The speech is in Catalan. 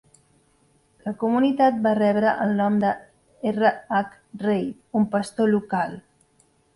La comunitat va rebre el nom de R. H. Reid, un pastor local.